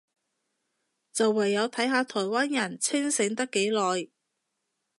就唯有睇下台灣人清醒得幾耐